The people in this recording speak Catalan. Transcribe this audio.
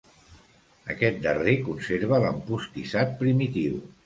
Aquest darrer conserva l'empostissat primitiu.